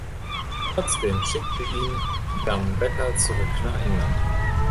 Trotzdem schickte ihn Gambetta zurück nach England.